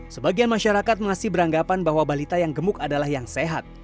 sebagian masyarakat masih beranggapan bahwa balita yang gemuk adalah yang sehat